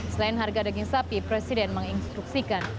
selain harga daging sapi presiden menginstruksikan